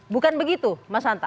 bukan begitu mas hanta